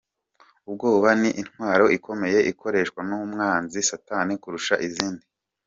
Ubwoba ni intwaro ikomeye ikoreshwa n'umwanzi satani kurusha izindi.